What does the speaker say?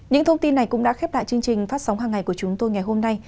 những thông tin này cũng đã khép lại chương trình phát sóng hàng ngày của chúng tôi ngày hôm nay